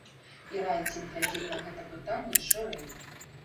І раіць ім глядзець на гэта пытанне шырэй.